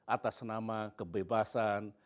atas nama kebebasan